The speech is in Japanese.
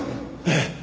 ええ。